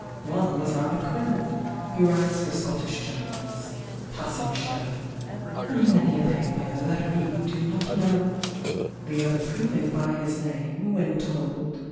One was our McQuilland, Who writes for Scotlish journals, Passing Show, 60 And many a paper that we do not know. The other, proving by his name, wlien told.